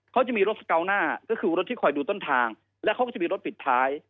เขาจะมีรถสเกาหน้าก็คือรถที่คอยดูต้นทางและเขาก็จะมีรถปิดท้าย